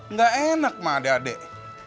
nggak enak ma adek adek